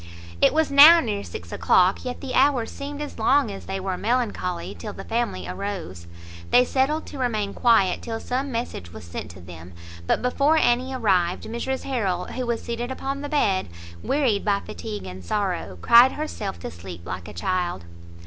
It was now near six o'clock, yet the hours seemed as long as they were melancholy till the family arose. They settled to remain quiet till some message was sent to them, but before any arrived, Mrs Harrel, who was seated upon the bed, wearied by fatigue and sorrow, cried herself to sleep like a child.